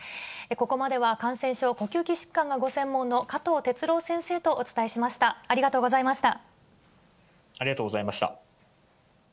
ここまでは感染症、呼吸器疾患がご専門の加藤哲朗先生とお伝えしありがとうございました。